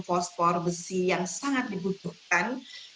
fosfor besi yang sangat dibutuhkan